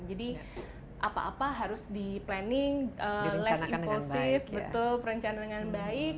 jadi apa apa harus di planning less impulsif perencanaan dengan baik